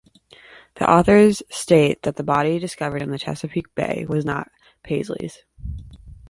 The authors state that the body discovered in the Chesapeake Bay was not Paisley's.